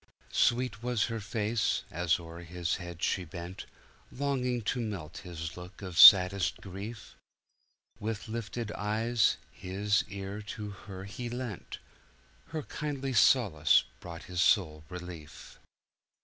Sweet was her face, as o'er his head she bent, Longing to melt his look of saddest grief. With lifted eyes, his ear to her he lent; Her kindly solace brought his soul relief.